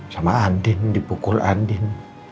sama andin dipukul andin